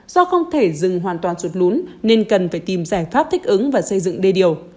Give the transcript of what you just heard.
do không thể dừng hoàn toàn sụt lún nên cần phải tìm giải pháp thích ứng và xây dựng đê điều